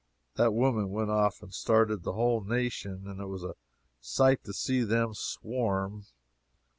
That woman went off and started the whole nation, and it was a sight to see them swarm!